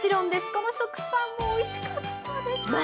この食パンもおいしかったです。